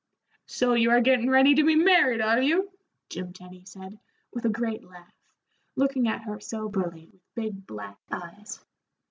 "So you are gettin' ready to be married, are you?" Jim Tenny said, with a great laugh, looking at her soberly, with big black eyes.